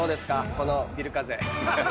このビル風。